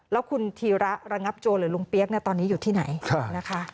แล้วคุณธีระระงับโจรหรือลุงเปี๊ยกตอนนี้อยู่ที่ไหนนะคะ